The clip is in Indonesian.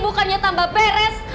bukannya tambah beres